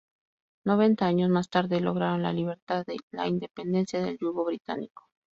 Noventa años más tarde lograron la libertad la independencia del yugo británico.